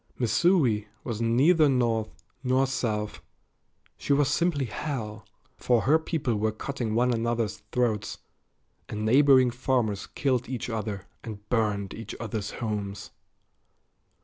Missouri was neither North nor South; she was simply hell, for her people were cutting one another's throats, and neighboring farmers killed each other and burned each other's homes.